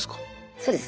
そうです。